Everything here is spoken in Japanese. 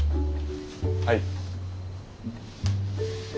はい？